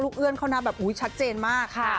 ลูกเอื้อนเขาน่าแบบอุ๊ยชัดเจนมากค่ะ